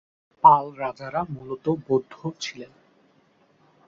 পাল রাজারা মূলত বৌদ্ধ ছিলেন।